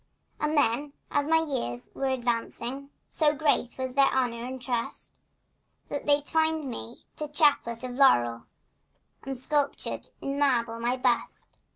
And then, as my years were advancing, So great was their honor and trust, That they twined me a chaplet of laurel And sculptured in marble my bust.